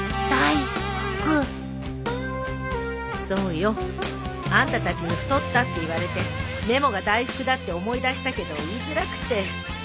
そうよ。あんたたちに太ったって言われてメモが大福だって思い出したけど言いづらくて。